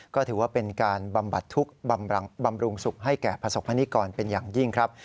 ก็ถือว่าเป็นการบำบัดทุกข์บำรุงสุขให้แก่ประสบคณิกรเป็นอย่างยิ่งครับ